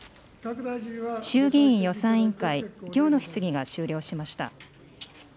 衆議院予算委員会、きょうの質疑が終了しました。